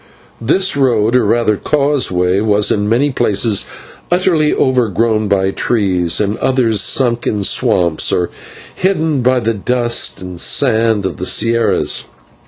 This road, or rather causeway, was in many places utterly overgrown by trees, and in others sunk in swamps or hidden by the dust and sand of the /sierras